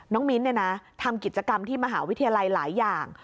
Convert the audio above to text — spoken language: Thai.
มิ้นทำกิจกรรมที่มหาวิทยาลัยหลายอย่าง